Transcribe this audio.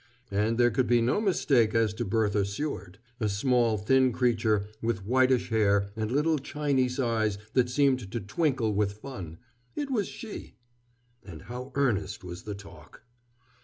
And there could be no mistake as to Bertha Seward a small, thin creature, with whitish hair, and little Chinese eyes that seemed to twinkle with fun it was she! And how earnest was the talk!